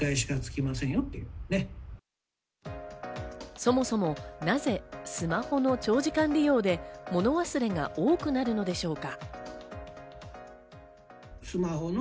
そもそも、なぜスマホの長時間利用でもの忘れが多くなるのでしょうか？